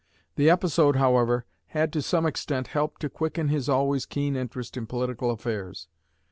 The episode, however, had to some extent helped to quicken his always keen interest in political affairs.